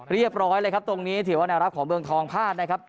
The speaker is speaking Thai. เรียบร้อยเลยครับตรงนี้ถือว่าแนวรับของเมืองทองพลาดนะครับ